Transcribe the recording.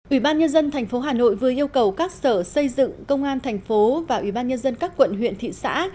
ủy ban nhân dân tp hà nội vừa yêu cầu các sở xây dựng công an thành phố và ủy ban nhân dân các quận huyện thị xã